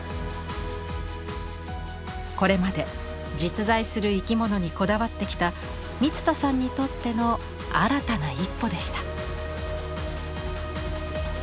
これまで実在する生き物にこだわってきた満田さんにとっての新たな一歩でした。